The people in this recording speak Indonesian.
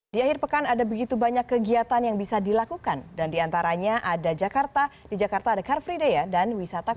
di akhir pekan ada begitu banyak kegiatan yang bisa dilakukan dan diantaranya ada jakarta di jakarta ada car free day dan wisata kuliner